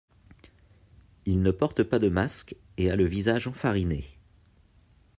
Il ne porte pas de masque et a le visage enfariné.